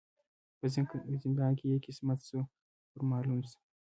په زندان کی یې قسمت سو ور معلوم سو